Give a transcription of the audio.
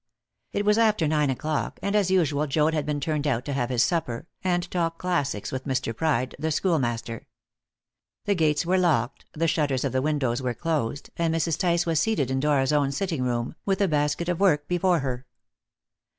It was after nine o'clock, and as usual Joad had been turned out to have his supper, and talk classics with Mr. Pride, the schoolmaster. The gates were locked, the shutters of the windows were closed, and Mrs. Tice was seated in Dora's own sitting room, with a basket of work before her.